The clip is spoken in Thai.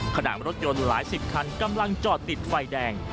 ขณะรถยนต์หลายสิบคันกำลังจอดติดไฟแดง